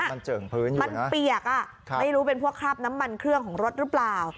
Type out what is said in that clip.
มันเจิ่งพื้นใช่ไหมมันเปียกอ่ะไม่รู้เป็นพวกคราบน้ำมันเครื่องของรถหรือเปล่า